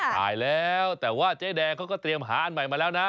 ตายแล้วแต่ว่าเจ๊แดงเขาก็เตรียมหาอันใหม่มาแล้วนะ